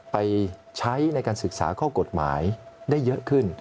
ไปใช้ในการศึกษาข้อกฎหมายได้เยอะขึ้น